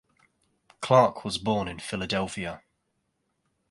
Clarke was born in Philadelphia.